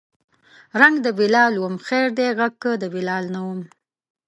رنګ د بلال وم خیر دی غږ که د بلال نه وم